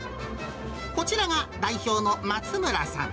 こちらが代表の松村さん。